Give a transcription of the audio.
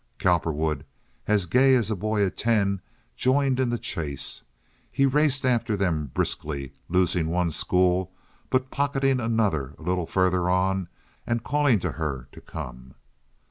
Cowperwood, as gay as a boy of ten, joined in the chase. He raced after them briskly, losing one school, but pocketing another a little farther on and calling to her to come.